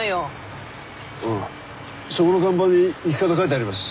ああそこの看板に行き方書いてあります。